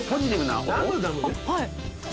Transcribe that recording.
はい。